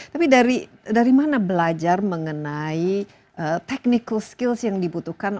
tapi dari mana belajar mengenai technical skills yang dibutuhkan